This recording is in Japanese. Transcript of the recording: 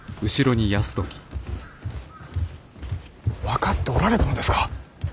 分かっておられたのですか。